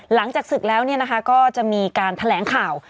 หลังจากศึกแล้วก็จะมีการแถลงข่าว